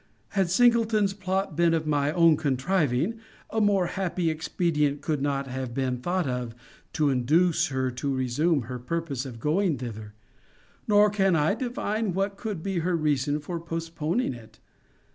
Had Singleton's plot been of my own contriving, a more happy expedient could not have been thought of to induce her to resume her purpose of going thither; nor can I divine what could be her reason for postponing it.